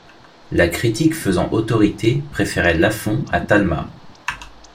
La critique faisant autorité préférait Lafon à Talma.